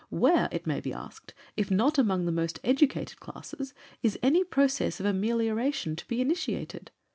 Where, it may be asked, if not among the most educated classes, is any process of amelioration to be initiated?